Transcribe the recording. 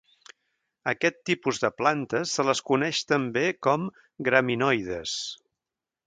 A aquest tipus de plantes se les coneix també com graminoides.